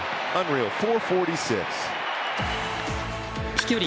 飛距離